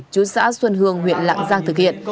chú xã xuân hương huyện lạng giang thực hiện